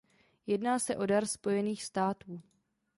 Jedná se o dar Spojených států.